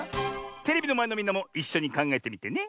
テレビのまえのみんなもいっしょにかんがえてみてね。